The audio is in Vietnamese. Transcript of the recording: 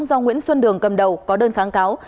do nguyễn xuân đường cầm đầu có đơn kháng cáo